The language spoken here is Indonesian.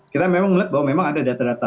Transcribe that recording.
kita memang melihat bahwa memang ada data data